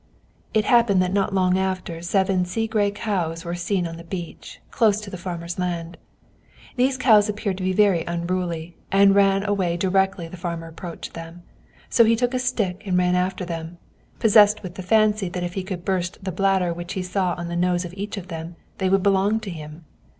It happened that not long after seven sea gray cows were seen on the beach, close to the farmer's land. These cows appeared to be very unruly, and ran away directly the farmer approached them. So he took a stick and ran after them, possessed with the fancy that if he could burst the bladder which he saw on the nose of each of them, they would belong to him.